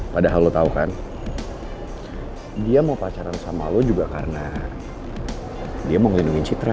padahal lo tau kan dia mau pacaran sama lo juga karena dia mau melindungi citra